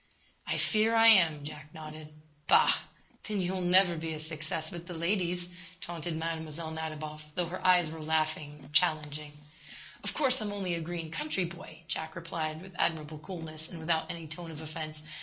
'" "I fear I am," Jack nodded. "Bah! Then you will never be a success with the ladies," taunted Mlle. Nadiboff, though her eyes were laughing, challenging. "Of course, I'm only a green country boy," Jack replied, with admirable coolness, and without any tone of offence.